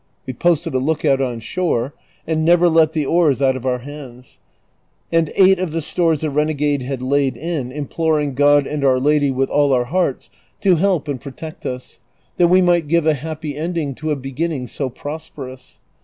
We posted a look out on shore, and never let the oars out of our liands, and ate of the stores the renegade had laid in, imiDloring (iod and Our Lady with all our hearts to help and protect us, that we might give a happy endino" to a beginning so prosperous.